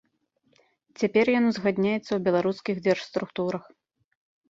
Цяпер ён узгадняецца ў беларускіх дзяржструктурах.